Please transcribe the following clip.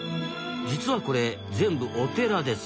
実はこれ全部お寺です。